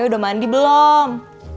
udah mandi belom